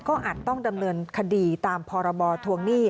ก็อาจต้องดำเนินคดีตามพรบทวงหนี้